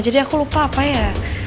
jadi aku lupa apa ya